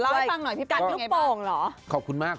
ล้ออยให้ฟังหน่อยพี่เปิ้ลยังไงบุ่งแปลว่ะกัดลูกโป่งหรอ